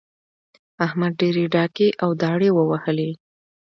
احمد ډېرې ډاکې او داړې ووهلې.